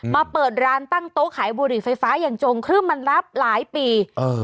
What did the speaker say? เปิดร้านตั้งโต๊ะขายบุหรี่ไฟฟ้าอย่างจงครึ่มมันรับหลายปีเออ